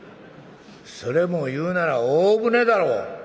それを言うなら大船だろ」。